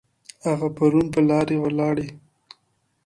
هغه پرون پر لارې ولاړی.